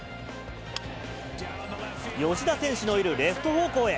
吉田選手のいるレフト方向へ。